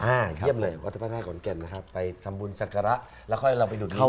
อ่าเยี่ยมเลยวัฒนภาษากรแก่นนะครับไปทำบุญสัตว์กระแล้วค่อยเราไปดูดีกว่า